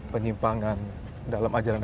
penyimpangan dalam ajaran